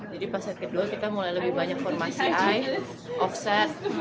jadi pas set kedua kita mulai lebih banyak formasi eye off set